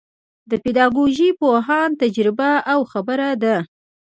د پیداکوژۍ پوهانو تجربه او خبره ده.